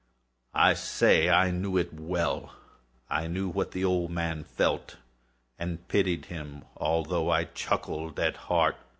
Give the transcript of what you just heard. I say I knew it well. I knew what the old man felt, and pitied him, although I chuckled at heart.